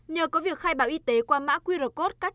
nhờ có việc khai báo dịch